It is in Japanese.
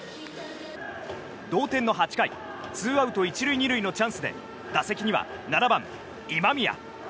同点の８回ツーアウト１塁２塁のチャンスで打席には７番、今宮。